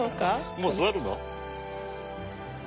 もう座るの？